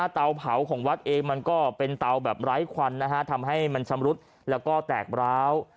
เตาเผาของวัดเองมันก็เป็นเตาแบบไร้ควันนะฮะทำให้มันชำรุดแล้วก็แตกร้าว